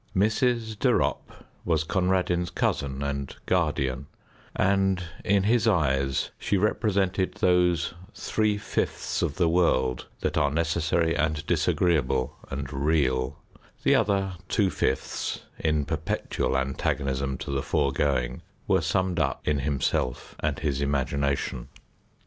Mrs. De Ropp was Conradin's cousin and guardian, and in his eyes she represented those three fifths of the world that are necessary and disagreeable and real; the other two fifths, in perpetual antagonism to the foregoing, were summed up in himself and his imagination.